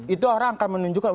itu orang akan menunjukkan